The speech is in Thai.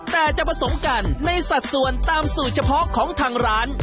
แต่จะผสมกันในสัดส่วนตามสูตรเฉพาะของทางร้าน